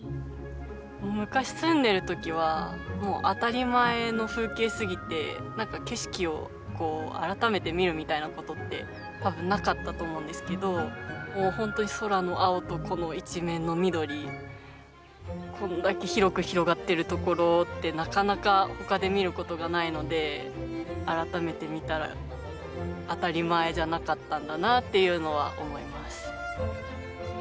昔住んでる時はもう当たり前の風景すぎて何か景色をこう改めて見るみたいなことって多分なかったと思うんですけどもう本当に空の青とこの一面の緑こんだけ広く広がってるところってなかなかほかで見ることがないので改めて見たら当たり前じゃなかったんだなっていうのは思います。